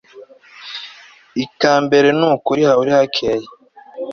ikambere nukuri hahore hakeye